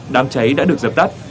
đám cháy đã được dập tắt